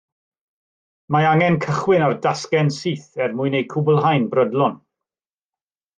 Mae angen cychwyn ar dasgau'n syth er mwyn eu cwblhau'n brydlon